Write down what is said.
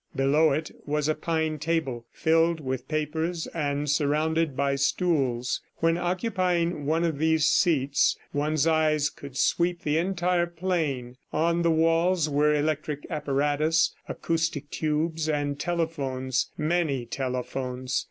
Below it was a pine table filled with papers and surrounded by stools. When occupying one of these seats, one's eyes could sweep the entire plain. On the walls were electric apparatus, acoustic tubes and telephones many telephones.